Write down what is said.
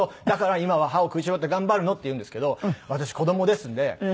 「だから今は歯を食いしばって頑張るの」って言うんですけど私子供ですので。